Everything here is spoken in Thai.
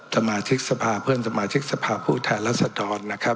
สมาชิกสภาพเพื่อนสมาชิกสภาพผู้ทายรัฐศาสตร์